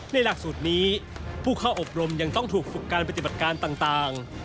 หลักสูตรนี้ผู้เข้าอบรมยังต้องถูกฝึกการปฏิบัติการต่าง